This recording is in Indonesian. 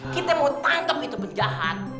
kita mau tangkap itu penjahat